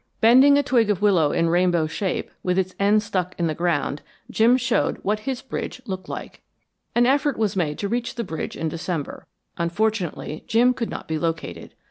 Bending a twig of willow in rainbow shape, with its ends stuck in the ground, Jim showed what his bridge looked like. "An effort was made to reach the bridge in December. Unfortunately Jim could not be located.